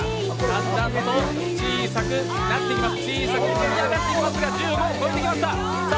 だんだんと小さくなっていきます。